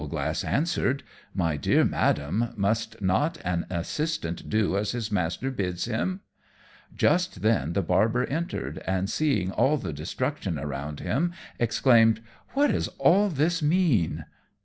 Owlglass answered, "My dear Madam, must not an assistant do as his master bids him?" Just then the Barber entered, and seeing all the destruction around him, exclaimed, "What does all this mean?"